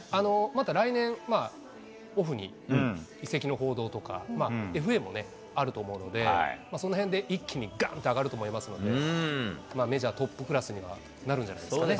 また来年、オフに移籍の報道とか、ＦＡもね、あると思うので、そのへんで一気にがーんと上がると思いますので、メジャートップクラスにはなるんじゃないですかね？